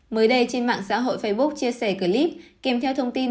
mới đây trên mạng xã hội facebook chia sẻ clip kèm theo thông tin